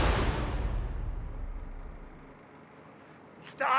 来た！